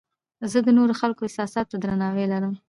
زه د نورو خلکو احساساتو ته درناوی لرم.